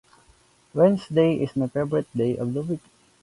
Wednesday is my favorite day of the week.